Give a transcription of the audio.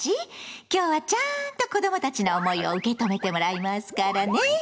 今日はちゃんと子どもたちの思いを受け止めてもらいますからね！